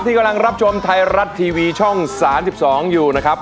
ที่กำลังรับชมไทรัตทีวีช่องสาร๑๒อยู่นะครับ